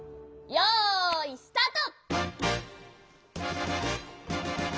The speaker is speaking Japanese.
よいスタート！